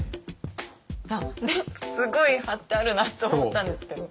何かすごい貼ってあるなって思ったんですけど。